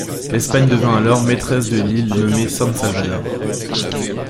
L'Espagne devint alors maîtresse de l'île, nommée San Salvador.